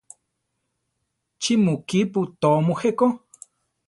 ¿Chí mu kípu tóo mujé ko?